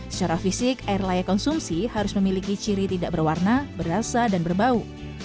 secara fisik air layak konsumsi harus memiliki ciri tidak berwarna berasa dan berbau